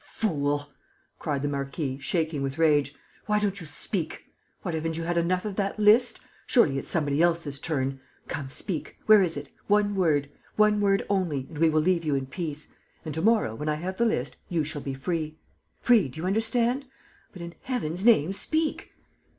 "You fool!" cried the marquis, shaking with rage. "Why don't you speak? What, haven't you had enough of that list? Surely it's somebody else's turn! Come, speak.... Where is it? One word. One word only ... and we will leave you in peace.... And, to morrow, when I have the list, you shall be free. Free, do you understand? But, in Heaven's name, speak!...